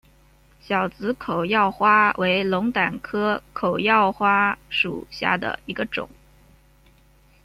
小籽口药花为龙胆科口药花属下的一个种。